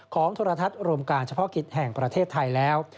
ของธรรมทัศน์โรงการเฉพาะกิจแห่งประเทศไทยแล้ว